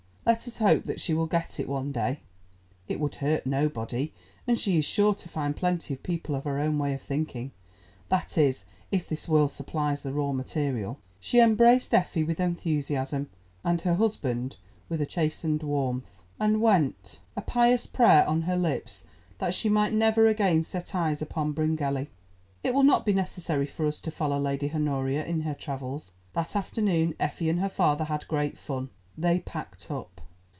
Let us hope that she will get it one day. It would hurt nobody, and she is sure to find plenty of people of her own way of thinking—that is, if this world supplies the raw material. She embraced Effie with enthusiasm, and her husband with a chastened warmth, and went, a pious prayer on her lips that she might never again set eyes upon Bryngelly. It will not be necessary for us to follow Lady Honoria in her travels. That afternoon Effie and her father had great fun. They packed up.